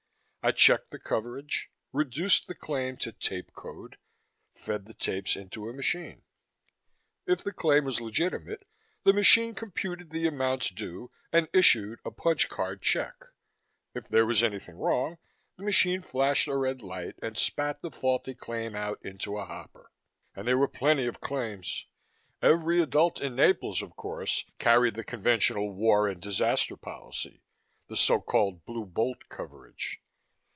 I checked the coverage, reduced the claim to tape code, fed the tapes into a machine. If the claim was legitimate, the machine computed the amounts due and issued a punch card check. If there was anything wrong, the machine flashed a red light and spat the faulty claim out into a hopper. And there were plenty of claims. Every adult in Naples, of course, carried the conventional War and Disaster policy the so called Blue Bolt coverage.